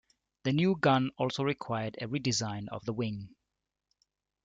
The new gun also required a redesign of the wing.